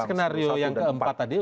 skenario yang keempat tadi